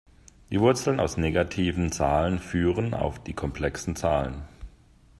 Die Wurzeln aus negativen Zahlen führen auf die komplexen Zahlen.